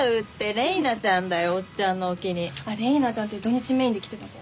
レイナちゃんって土日メインで来てた子？